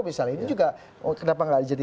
misalnya ini juga kenapa nggak jadi